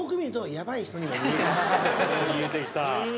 うん見えてきた。